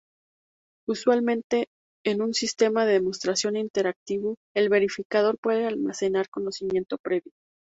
Usualmente, en un sistema de demostración interactivo, el verificador puede almacenar conocimiento previo.